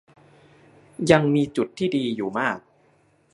ยังมีจุดที่ดีอยู่มาก